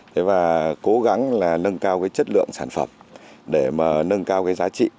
thế và cố gắng là nâng cao cái chất lượng sản phẩm để mà nâng cao cái giá trị